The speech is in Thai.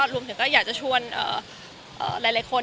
รวมถึงก็อยากจะชวนหลายคน